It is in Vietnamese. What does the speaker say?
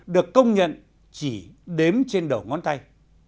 được công nhận chỉ đếm trên đầu ngón tay